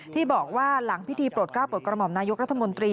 ที่บอกว่าหลังพิธีโปรดก้าวโปรดกระหม่อมนายกรัฐมนตรี